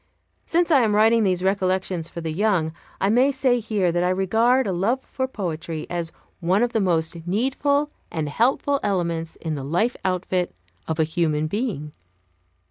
Since I am writing these recollections for the young, I may say here that I regard a love for poetry as one of the most needful and helpful elements in the life outfit of a human being.